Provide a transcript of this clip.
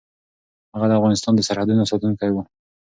هغه د افغانستان د سرحدونو ساتونکی و.